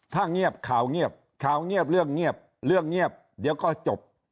ถ้าเงียบข่าวเงียบข่าวเงียบเรื่องเงียบเรื่องเงียบเดี๋ยวก็จบ